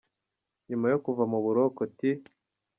Nyuma yo kuva mu buroko T.